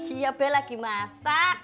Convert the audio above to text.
iya be lagi masak